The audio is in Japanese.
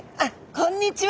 こんにちは！